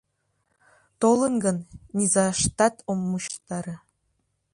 Толын гын, низаштат ом мучыштаре...